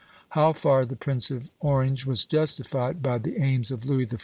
How far the Prince of Orange was justified, by the aims of Louis XIV.